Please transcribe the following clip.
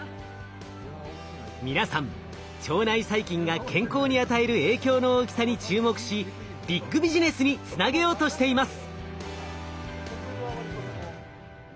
皆さん腸内細菌が健康に与える影響の大きさに注目しビッグビジネスにつなげようとしています。